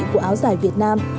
của áo dài việt nam